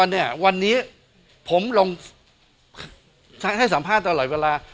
มันไม่ใช่ครับการเป็นผู้แทนรัศนรวันนี้ผมลงให้สัมภาษณ์ตลอดเวลา